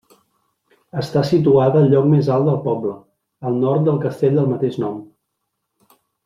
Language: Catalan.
Està situada al lloc més alt del poble, al nord del castell del mateix nom.